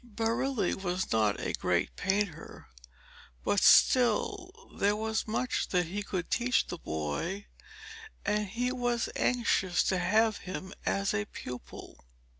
Barile was not a great painter, but still there was much that he could teach the boy, and he was anxious to have him as a pupil.